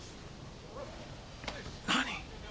何？